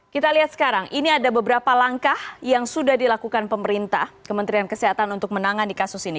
kita lihat sekarang ini ada beberapa langkah yang sudah dilakukan pemerintah kementerian kesehatan untuk menangani kasus ini